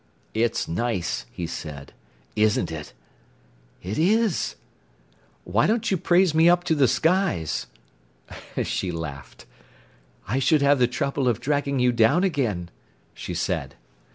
"It's nice," he said, "isn't it?" "It is." "Why don't you praise me up to the skies?" She laughed. "I should have the trouble of dragging you down again," she said.